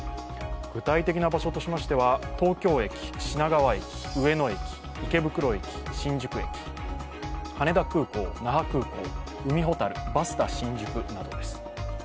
具体的な場所としましては、東京駅、品川駅、上野駅、池袋駅、新宿駅、羽田空港、那覇空港、海ほたる、バスタ新宿などです。